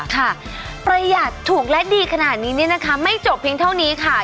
ประหยัดถูกและดีขนาดนี้เนี่ยนะคะไม่จบเพียงเท่านี้ค่ะ